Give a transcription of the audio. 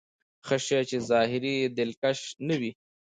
هغه شی چې ظاهر يې دلکش نه وي.